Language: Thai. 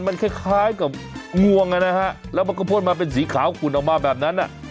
มันคล้ายกับงวงนะฮะแล้วมันก็พ่นมาเป็นสีขาวขุนออกมาแบบนั้น